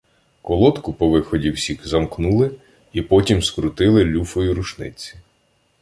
Колодку по виході всіх замкнули і потім скрутили люфою рушниці.